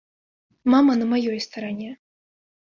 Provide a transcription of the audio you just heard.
Мама на маёй старане.